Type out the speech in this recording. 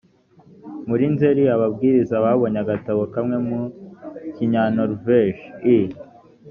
muri nzeri ababwiriza babonye agatabo kamwe mu kinyanoruveje i